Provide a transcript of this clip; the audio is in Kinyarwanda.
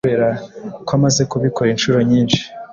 ko amaze kubikora inshuro nyinshi